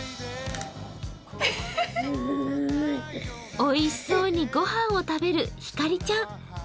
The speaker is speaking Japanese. おいしそうに御飯を食べるひかりちゃん。